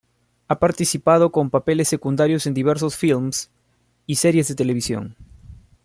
Ha participado con papeles secundarios en diversos filmes y series de televisión.